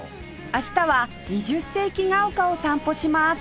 明日は二十世紀が丘を散歩します